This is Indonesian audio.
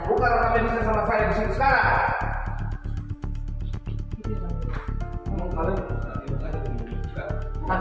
buka rekam medisnya sama saya disini sekarang